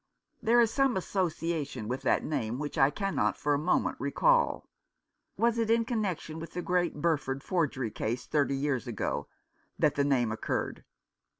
There is some association with that name which I cannot for a moment recall. Was 265 Rough Justice. it in connection with the great Burford forgery case — thirty years ago — that the name occurred